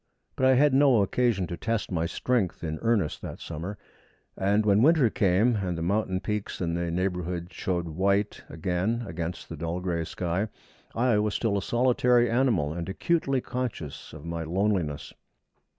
But I had no occasion to test my strength in earnest that summer, and when winter came, and the mountain peaks in the neighbourhood showed white again against the dull gray sky, I was still a solitary animal, and acutely conscious of my loneliness.